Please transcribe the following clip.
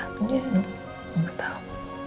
iya mama tau